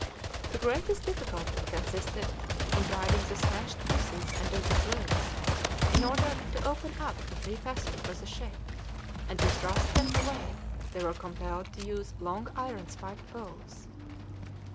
The greatest difficulty consisted in driving the smashed pieces under the floes in order to open up a free passage for the ship, and to thrust them away they were compelled to use long iron spiked poles.